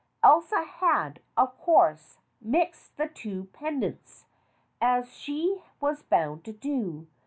Elsa had, of course, mixed the two pendants, as she was bound to do.